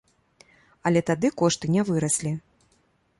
Але тады кошты не выраслі.